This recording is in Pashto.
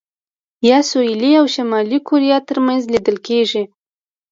یا سوېلي او شمالي کوریا ترمنځ لیدل کېږي.